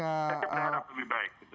saya akan berharap lebih baik